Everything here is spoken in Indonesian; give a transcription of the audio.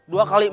dua kali orang